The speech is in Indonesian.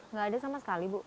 nggak ada sama sekali bu